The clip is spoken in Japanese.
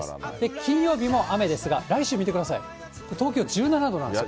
金曜日も雨ですが、来週見てください、東京１７度なんですよ。